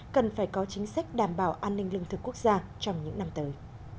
cần phải có chính sách đảm bảo an ninh lương thực quốc gia trong những năm tới